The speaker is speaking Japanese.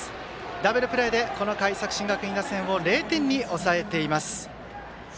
ダブルプレーでこの回、作新学院打線を０点に抑えています。